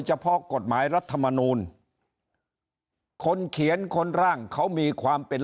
เฉพาะกฎหมายรัฐมนูลคนเขียนคนร่างเขามีความเป็น